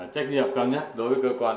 trách nhiệm cao nhất đối với cơ quan